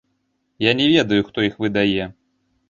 Я не ведаю, хто іх выдае.